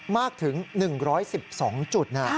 มากถึง๑๑๒จุด